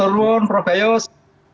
mata luhur prof gaius